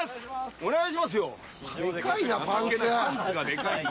お願いしますよ・